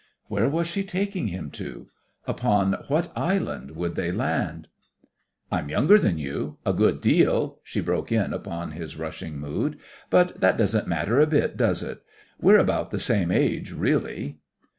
Where was she taking him to? Upon what island would they land? "I'm younger than you a good deal," she broke in upon his rushing mood. "But that doesn't matter a bit, does it? We're about the same age really."